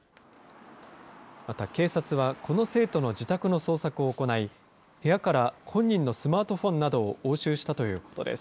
また警察は、この生徒の自宅の捜索を行い、部屋から本人のスマートフォンなどを押収したということです。